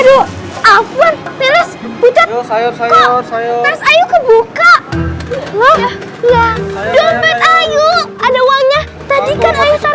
dulu apaan terus ayo saya saya saya kebuka loh ya dompet ayo ada uangnya tadi kan ayo